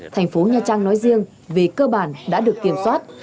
thành phố nha trang nói riêng về cơ bản đã được kiểm soát